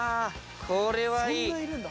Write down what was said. これはいい！